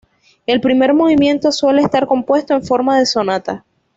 El primer movimiento suele estar compuesto en forma de sonata.